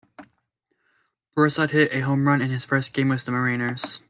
Broussard hit a home run in his first game with the Mariners.